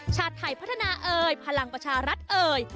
ชาติไทยพัฒนาเอ่ยพลังประชารัฐเอ่ย